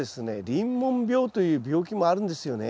輪紋病という病気もあるんですよね。